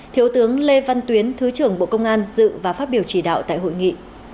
thiếu tướng lê văn tuyến thứ trưởng bộ công an dự và phát biểu chỉ đạo tại hội nghị